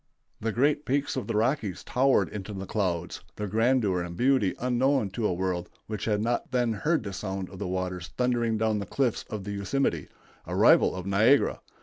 The great peaks of the Rockies towered into the clouds, their grandeur and beauty unknown to a world which had not then heard the sound of the waters thundering down the cliffs of the Yosemite, a rival of Niagara.